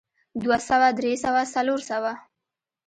دوه سوه درې سوه څلور سوه